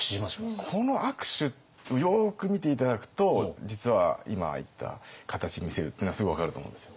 この握手よく見て頂くと実は今言った形に見せるっていうのはすごい分かると思うんですよ。